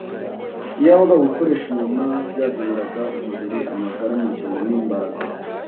Iyaba gukoresha inyama byazaniraga umubiri amagara mazima n’imbaraga